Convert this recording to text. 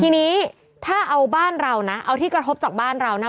ทีนี้ถ้าเอาบ้านเรานะเอาที่กระทบจากบ้านเรานะ